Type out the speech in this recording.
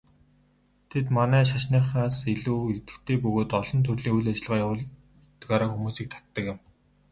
Тэд манай шашныхаас илүү идэвхтэй бөгөөд олон төрлийн үйл ажиллагаа явуулдгаараа хүмүүсийг татдаг юм.